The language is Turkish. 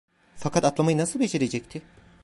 Fakat atlamayı nasıl becerecekti?